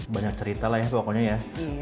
banyak cerita lah ya pokoknya ya